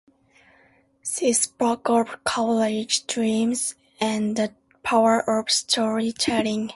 She spoke of courage, dreams, and the power of storytelling.